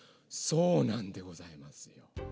そうなんでございます。